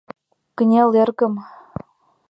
Кынел, эргым!